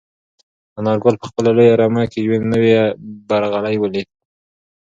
انارګل په خپله لویه رمه کې یو نوی برغلی ولید.